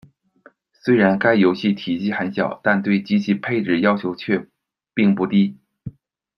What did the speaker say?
虽然该游戏体积很小，但对机器配置要求却并不低。